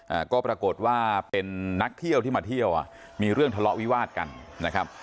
อ่าก็ปรากฏว่าเป็นนักเที่ยวที่มาเที่ยวอ่ะมีเรื่องทะเลาะวิวาดกันนะครับ